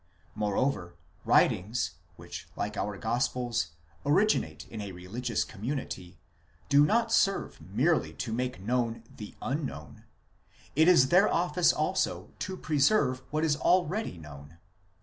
Moreover, writings, which like our gospels, originate in a religious community, do not serve merely to make known the unknown; it is their office also to preserve what is already known.